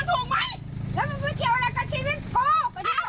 โอ้โห